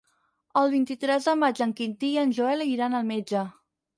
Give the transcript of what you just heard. El vint-i-tres de maig en Quintí i en Joel iran al metge.